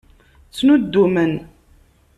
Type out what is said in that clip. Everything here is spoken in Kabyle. Ttnuddumen.